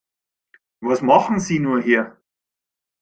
Was machen Sie nur hier?